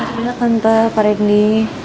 sama sama tante pak reni